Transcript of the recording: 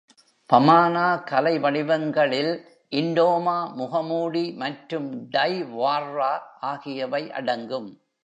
பமானா கலை வடிவங்களில் "ந்டோமோ" முகமூடி மற்றும் டை வார்ரா ஆகியவை அடங்கும்.